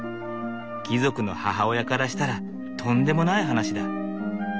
貴族の母親からしたらとんでもない話だ。